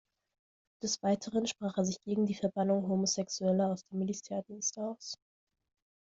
Des Weiteren sprach er sich gegen die Verbannung Homosexueller aus dem Militärdienst aus.